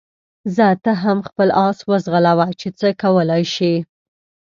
ځه ته هم خپل اس وځغلوه چې څه کولای شې.